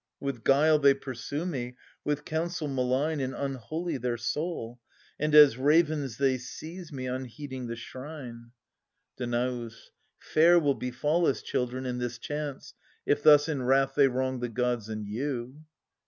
With guile they pursue me, with counsel malign, And unholy their soul ; And as ravens they seize me, unheeding the shrine. Danaus. Fair will befall us, children, in this chance, If thus in wrath they wrong the gods and you.